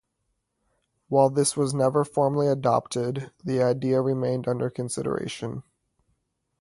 While this was never formally adopted the idea remained under consideration.